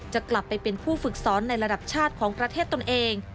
จะกลับไปเป็นผู้ฝึกสอนในระดับชาติของประเทศตนเอง